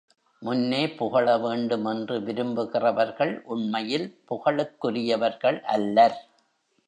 முன்னே புகழவேண்டும் என்று விரும்புகிறவர்கள், உண்மையில் புகழுக்குரியவர்கள் அல்லர்.